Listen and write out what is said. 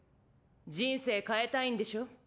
人生変えたいんでしょ？